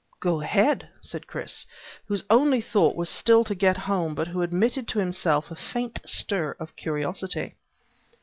"Go ahead," said Chris, whose only thought was still to get home but who admitted to himself a faint stir of curiosity.